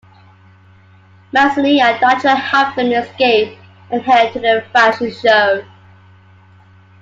Manzini and Dodger help them escape and head to the fashion show.